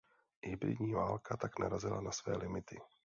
Hybridní válka tak narazila na své limity.